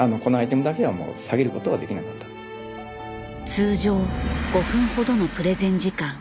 通常５分ほどのプレゼン時間。